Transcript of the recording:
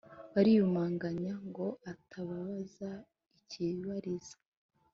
bariyumanganya ngo atababaza ikibariza,